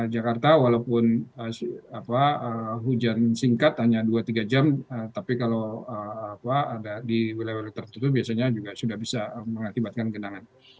jakarta walaupun hujan singkat hanya dua tiga jam tapi kalau ada di wilayah wilayah tertentu biasanya juga sudah bisa mengakibatkan genangan